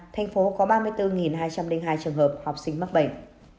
tp hcm có ba mươi bốn hai trăm linh hai trường hợp học sinh mắc bệnh